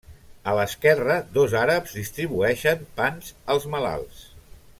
A l'esquerra, dos àrabs distribueixen pans als malalts.